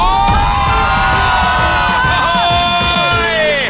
โอ้ย